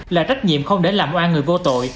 là trách nhiệm không để làm oai người vô tội